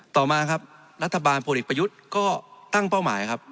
ต่อมารัฐบาลพลเอกประโยชน์ก็ตั้งเป้าหมาย